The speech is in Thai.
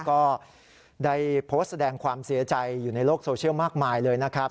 ก็ได้โพสต์แสดงความเสียใจอยู่ในโลกโซเชียลมากมายเลยนะครับ